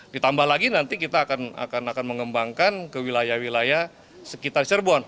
ditambah lagi nanti kita akan mengembangkan ke wilayah wilayah sekitar cirebon